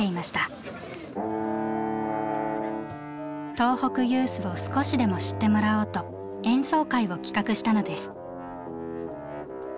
東北ユースを少しでも知ってもらおうと演奏会を企画したのです。